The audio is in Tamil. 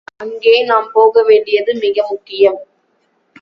அங்கே நாம் போகவேண்டியது மிக முக்கியம்.